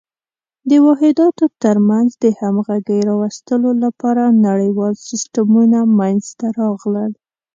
د واحداتو تر منځ د همغږۍ راوستلو لپاره نړیوال سیسټمونه منځته راغلل.